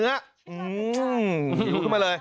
อื้อหยุดขึ้นมาเลย